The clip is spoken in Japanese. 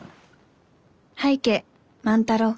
「拝啓万太郎。